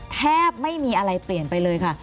แทบไม่มีอะไรเปลี่ยนไปเลยค่ะ